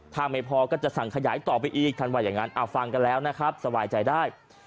ถ้าไม่พอก็จะสั่งขยายต่อไปอีกท่านว่าอย่างนั้นฟังกันแล้วนะครับสบายใจได้